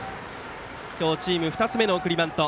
今日、チーム２つ目の送りバント。